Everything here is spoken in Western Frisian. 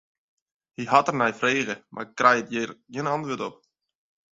Hy hat der nei frege, mar kriget hjir gjin antwurd op.